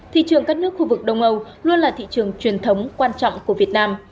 thị trường các nước khu vực đông âu luôn là thị trường truyền thống quan trọng của việt nam